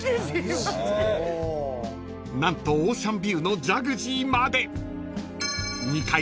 ［何とオーシャンビューのジャグジーまで］